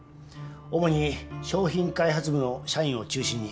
主に商品開発部の社員を中心に。